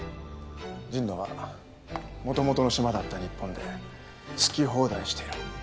神野はもともとのシマだった日本で好き放題している。